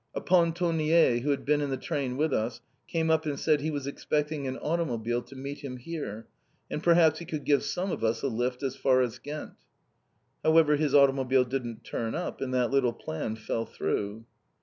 A Pontonnier, who had been in the train with us, came up and said he was expecting an automobile to meet him here, and perhaps he could give some of us a lift as far as Ghent. However, his automobile didn't turn up, and that little plan fell through.